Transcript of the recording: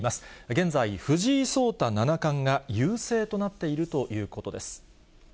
現在、藤井聡太七冠が優勢となっているということです。